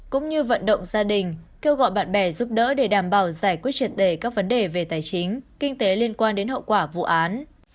cũng như vận động gia đình kêu gọi bạn bè giúp đỡ để đảm bảo giải quyết triệt đề các vấn đề về tài chính kinh tế liên quan đến hậu quả vụ án